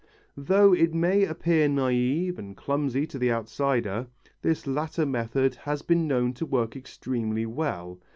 Though it may appear naïve and clumsy to the outsider, this latter method has been known to work extremely well.